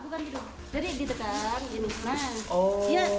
jadi dipotong ke dalam mangkuk